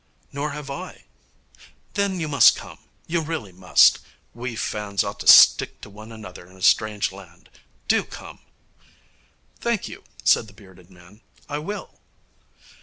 'Nor have I.' 'Then you must come. You really must. We fans ought to stick to one another in a strange land. Do come.' 'Thank you,' said the bearded man; 'I will.'